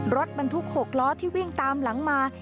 รถบรรทุก๖ล้อที่วิ่งตามหลังมา